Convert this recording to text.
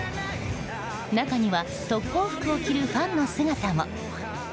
中には特攻服を着るファンの姿も。